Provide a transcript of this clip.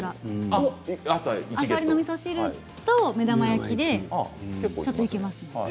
あさりのみそ汁と目玉焼きでいけますね。